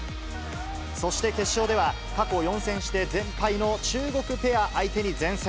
そして、決勝では過去４戦して全敗の中国ペア相手に善戦。